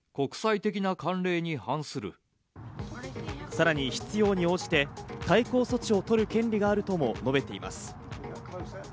さらに必要に応じて、対抗措置を取る権利があるとも述べています。